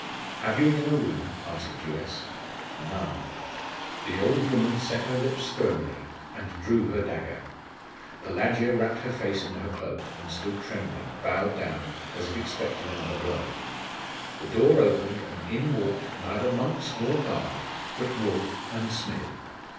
'Have you an inner room?' asked the Jewess. 'None.' The old woman set her lips firmly, and drew her dagger. Pelagia wrapped her face in her cloak, and stood trembling, bowed down, as if expecting another blow. The door opened, and in walked, neither monks nor guard, but Wulf and Smid.